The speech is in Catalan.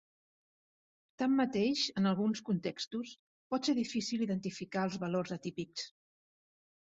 Tanmateix, en alguns contextos, pot ser difícil identificar els valors atípics.